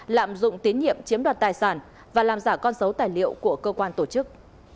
lạm dụng tín nhiệm chiếm đoạt tài sản và làm giả con dấu tài liệu của cơ quan tổ chức